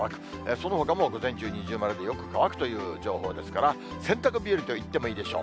そのほかも午前中、二重丸で、よく乾くという情報ですから、洗濯日和といってもいいでしょう。